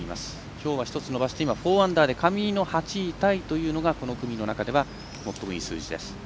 きょうは１つ伸ばして４アンダーで上井の８位タイというのが最もいい数字です。